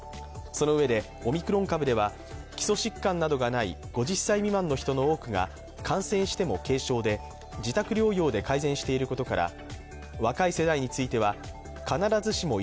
そのうえでオミクロン株では基礎疾患などがない５０歳未満の人の多くが感染しても軽症で自宅療養で改善していることから、